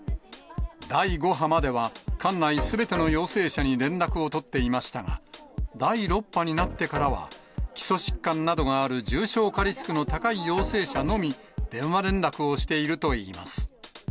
第５波までは、管内すべての陽性者に連絡を取っていましたが、第６波になってからは、基礎疾患などがある重症化リスクの高い陽性者のみ電話連絡をしているといいます。